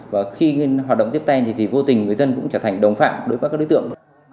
và khi hoạt động tiếp ten thì vô tình người dân cũng trở thành đồng phạm đối với các đối tượng